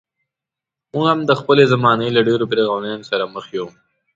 موږ هم د خپلې زمانې له ډېرو فرعونانو سره مخ یو.